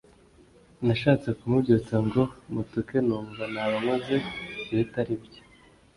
nashatse kumubyutsa ngo mutuke numva naba nkoze ibitaribyo